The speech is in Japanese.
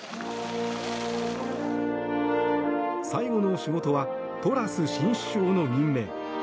最後の仕事はトラス新首相の任命。